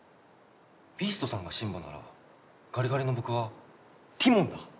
ビーストさんがシンバならガリガリの僕はティモンだ。